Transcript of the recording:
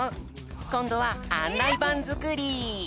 こんどはあんないばんづくり！